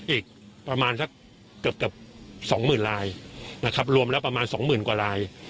อีกประมาณสักเกือบสองหมื่นลายนะครับรวมแล้วประมาณสองหมื่นกว่าลาย